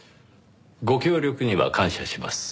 ご協力には感謝します。